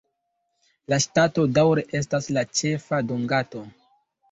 La ŝtato daŭre estas la ĉefa dunganto.